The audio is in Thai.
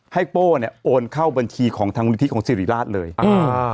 โป้เนี้ยโอนเข้าบัญชีของทางมูลนิธิของสิริราชเลยอ่า